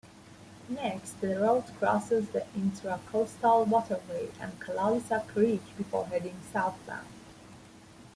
Next, the route crosses the Intracoastal Waterway and Callalisa Creek before heading southbound.